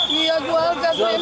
iya jual gas memang